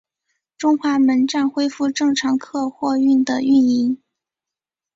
中华门站恢复正常客货运的运营。